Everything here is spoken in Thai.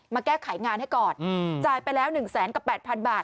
มาแก้ไขงานให้ก่อนจ่ายไปแล้ว๑แสนกับ๘๐๐๐บาท